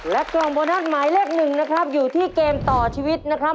กล่องโบนัสหมายเลขหนึ่งนะครับอยู่ที่เกมต่อชีวิตนะครับ